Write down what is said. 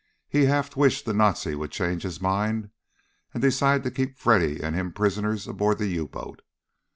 He half wished the Nazi would change his mind and decide to keep Freddy and him prisoners aboard the U boat.